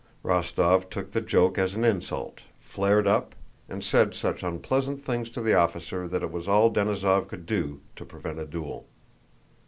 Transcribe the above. Rostóv took the joke as an insult, flared up, and said such unpleasant things to the officer that it was all Denísov could do to prevent a duel.